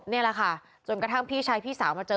อยู่ในบ้านกับศพนี่แหละค่ะจนกระทั่งพี่ชายพี่สาวมาเจอ